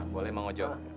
boleh mang ojo